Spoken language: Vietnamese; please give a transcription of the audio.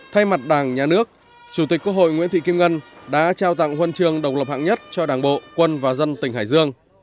thay mặt đảng nhà nước chủ tịch quốc hội nguyễn thị kim ngân đã trao tặng huân trường độc lập hạng nhất cho đảng bộ quân và dân tỉnh hải dương